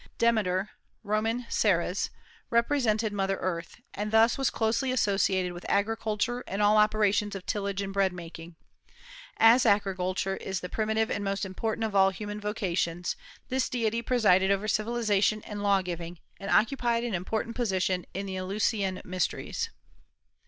Demeter (Roman Ceres) represented Mother Earth, and thus was closely associated with agriculture and all operations of tillage and bread making. As agriculture is the primitive and most important of all human vocations, this deity presided over civilization and law giving, and occupied an important position in the Eleusinian mysteries.